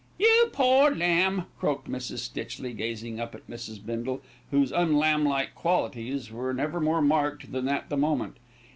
"You poor lamb," croaked Mrs. Stitchley, gazing up at Mrs. Bindle, whose unlamblike qualities were never more marked than at that moment.